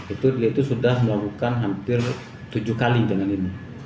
itu dia itu sudah melakukan hampir tujuh kali dengan ini